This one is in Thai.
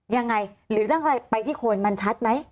ยังไงหรือตั้งใจไปที่โคนมันชัดไหม